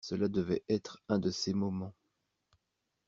Cela devait être un de ces moments.